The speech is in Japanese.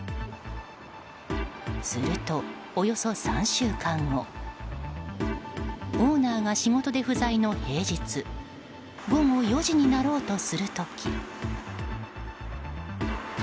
すると、およそ３週間後オーナーが仕事で不在の平日午後４時になろうとする時。